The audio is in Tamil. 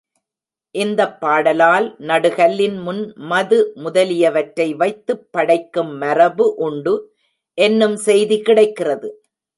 இந்தப் பாடலால், நடுகல்லின் முன் மது முதலியவற்றை வைத்துப் படைக்கும் மரபு உண்டு என்னும் செய்தி கிடைக்கிறது.